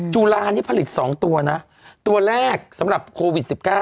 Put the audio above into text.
จุลานี่ผลิต๒ตัวนะตัวแรกสำหรับโควิด๑๙